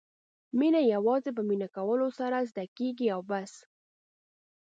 مینه یوازې په مینه کولو سره زده کېږي او بس.